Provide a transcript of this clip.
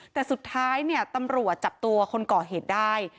แต่สุดท้ายเนี่ยตำรวจจับตัวคนก่อเหตุได้